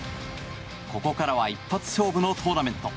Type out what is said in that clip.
ここからは一発勝負のトーナメント。